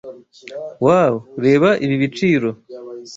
Wow, reba ibi biciro!